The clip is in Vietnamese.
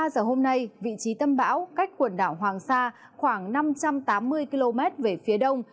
một mươi giờ hôm nay vị trí tâm bão cách quần đảo hoàng sa khoảng năm trăm tám mươi km về phía đông